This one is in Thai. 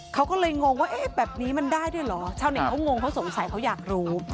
เขาก็เลยงงว่าเอ๊ะแบบนี้มันได้ด้วยเหรอชาวเน็ตเขางงเขาสงสัยเขาอยากรู้